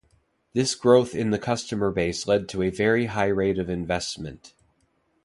This growth in the customer base led to a very high rate of investment.